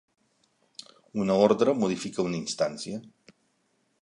Una ordre modifica una instància.